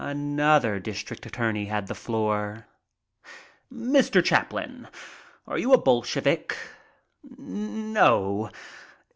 Another district attorney had the floor. "Mr. Chaplin, are you a Bolshevik?" "No."